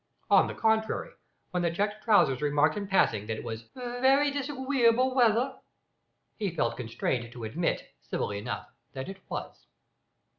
On the contrary, when the checked trousers remarked in passing that it was "vewy disagweeable weather," he felt constrained to admit, civilly enough, that it was.